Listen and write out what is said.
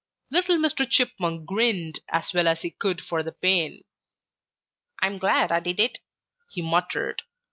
Little Mr. Chipmunk grinned as well as he could for the pain. "'I'm glad I did it,' he muttered.